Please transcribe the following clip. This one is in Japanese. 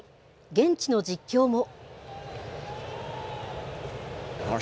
現地の実況も。